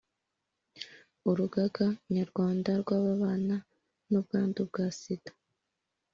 urugaga nyarwanda rw’ababana n’ubwandu bwa sida